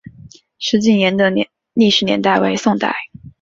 石井岩的历史年代为宋代。